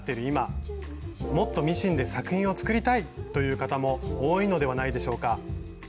今もっとミシンで作品を作りたい！という方も多いのではないでしょうか。